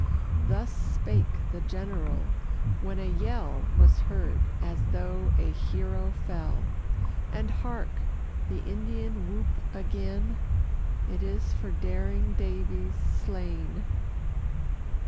Thus spake the general; when a yell Was heard, as though a hero fell. And, hark! the Indian whoop again It is for daring Daviess slain!